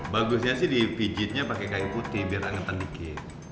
bagusnya sih dipijitnya pake kain putih biar angetan dikit